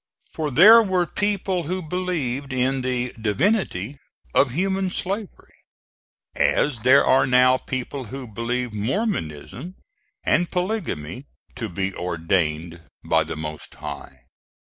For there were people who believed in the "divinity" of human slavery, as there are now people who believe Mormonism and Polygamy to be ordained by the Most High.